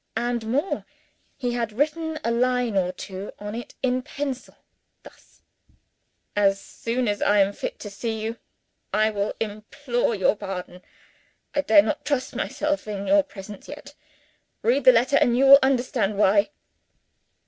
And more, he had written a line or two on it in pencil, thus: "As soon as I am fit to see you, I will implore your pardon. I dare not trust myself in your presence yet. Read the letter, and you will understand why."